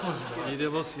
入れますよ。